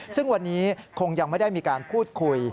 ซึ่งวันนี้คงยังไม่ได้มีการพูดคุย